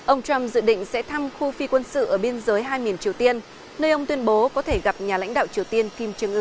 ông trump dự định sẽ thăm khu phi quân sự ở biên giới hai miền triều tiên nơi ông tuyên bố có thể gặp nhà lãnh đạo triều tiên kim trương ưn